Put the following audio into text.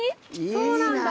そうなんだ。